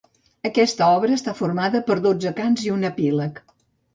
Aquesta obra està formada per dotze cants i un epíleg.